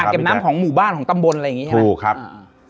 เก็บน้ำของหมู่บ้านของตำบลอะไรอย่างนี้ใช่ไหมถูกครับ